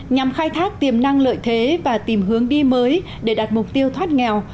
nhằm khai thác tiềm năng lợi thế và tìm hướng đi mới để đạt mục tiêu thoát nghèo